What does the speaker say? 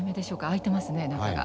開いてますね中が。